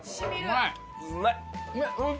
うまい。